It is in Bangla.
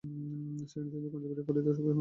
সেখানে, তিনি কনজারভেটিভ পার্টিতে সক্রিয় হন।